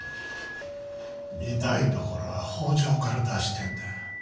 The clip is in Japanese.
御台所は北条から出してえんだよ。